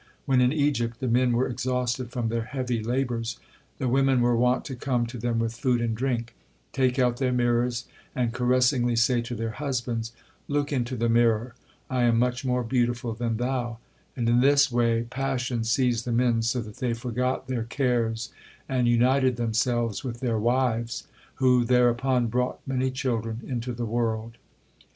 When in Egypt the men were exhausted from their heavy labors, the women were wont to come to them with food and drink, take out their mirrors, and caressingly say to their husbands: 'Look into the mirror, I am much more beautiful than thou,' and in this way passion seized the men so that they forgot their cares and united themselves with their wives, who thereupon brought many children into the world.